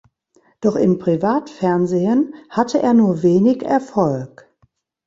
Doch im Privatfernsehen hatte er nur wenig Erfolg.